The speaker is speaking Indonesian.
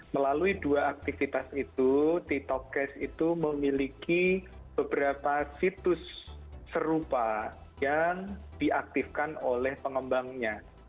melalui dua aktivitas itu tiktok cash itu memiliki beberapa situs serupa yang diaktifkan oleh pengembangnya